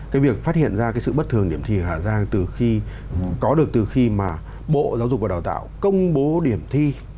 cái việc phát hiện ra sự bất thường điểm thi của hà giang có được từ khi bộ giáo dục và đào tạo công bố điểm thi